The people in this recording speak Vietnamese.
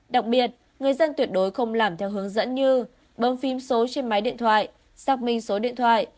đặc biệt người dân tuyệt đối không làm theo hướng dẫn như bơm phim số trên máy điện thoại xác minh số điện thoại